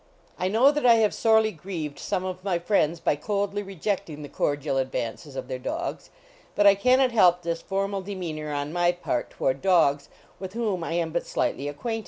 I know that I have sorely grieved some of my friends by coldly rejecting the cordial advances of their dogs, but I can not help this formal demeanor on my part toward dogs with whom I am but slightly acquainted.